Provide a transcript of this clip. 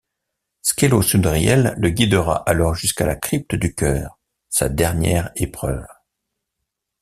Skelos Undriel le guidera alors jusqu'à la Crypte du Cœur, sa dernière épreuve.